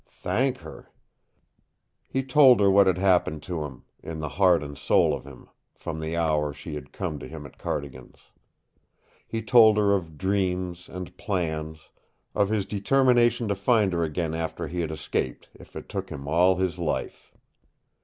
Thank her! He told her what had happened to him in the heart and soul of him from the hour she had come to him at Cardigan's. He told her of dreams and plans, of his determination to find her again after he had escaped, if it took him all his life.